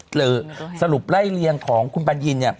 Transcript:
หรือสรุปไล่เลียงของคุณบัญญิน